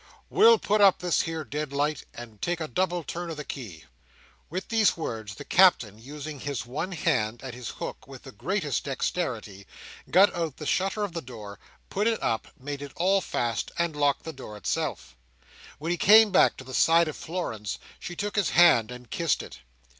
We'll put up this here deadlight, and take a double turn on the key!" With these words, the Captain, using his one hand and his hook with the greatest dexterity, got out the shutter of the door, put it up, made it all fast, and locked the door itself. When he came back to the side of Florence, she took his hand, and kissed it.